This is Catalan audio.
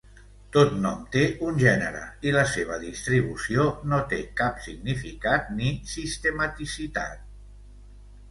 Tot nom té un gènere, i la seva distribució no té cap significat ni sistematicitat.